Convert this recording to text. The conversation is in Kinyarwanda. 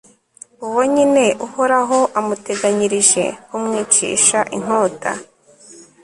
uwo nyine uhoraho amuteganyirije kumwicisha inkota